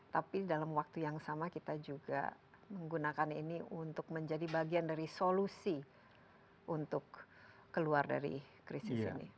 tapi dalam waktu yang sama kita juga menggunakan ini untuk menjadi bagian dari solusi untuk keluar dari krisis ini